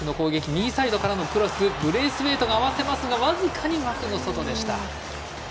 右サイドからのクロスにブレイスウェイトが合わせますがわずかに枠の外でした。